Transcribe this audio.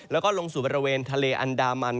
แล้วก็ลงสู่บริเวณทะเลอันดามัน